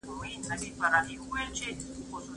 که انلاین درسونه روښانه وي، زده کوونکي مغشوش نه کېږي.